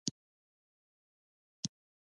ويې ويل پلار دې هلته ښخ دى.